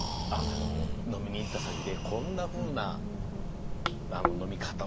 飲みに行った先でこんなふうな飲み方をしてとか。